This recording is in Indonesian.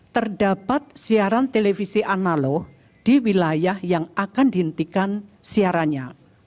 terdapat siaran televisi analog di wilayah yang akan dihentikan siarannya